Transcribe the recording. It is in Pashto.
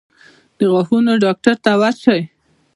د غاښونو ډاکټر ته ورشئ